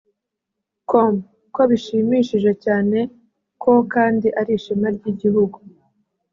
com ko bishimishije cyane ko kandi ari ishema ry’igihugu